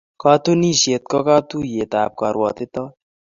Katunisyet ko katuiyetab karwotitoet.